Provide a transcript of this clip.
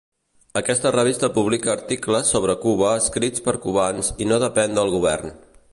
Aquesta revista publica articles sobre Cuba escrits per cubans i no depèn del govern.